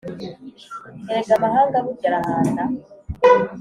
Erega amahanga burya arahanda